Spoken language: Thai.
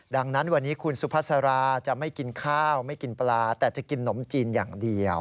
ดังนั้นวันนี้คุณสุภาษาราจะไม่กินข้าวไม่กินปลาแต่จะกินนมจีนอย่างเดียว